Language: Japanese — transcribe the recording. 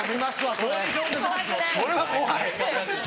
それは怖い？